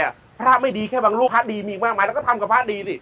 พระไม่ดีแค่บางลูกพระดีมีอีกมากมายแล้วก็ทำกับพระดีสิ